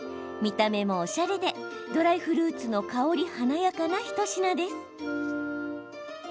見た目もおしゃれでドライフルーツの香り華やかなひと品です。